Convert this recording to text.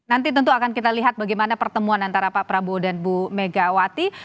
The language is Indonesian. nanti tentu akan kita lihat bagaimana pertemuan antara pak prabowo dan bu megawati